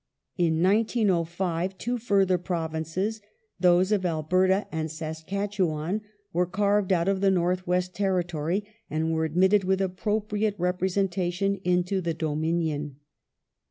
^ In 1905 two further Provinces, those of Alberta and Saskatchewan, were carved out of the North West Territory, and were admitted with appropriate representation into the Dominion.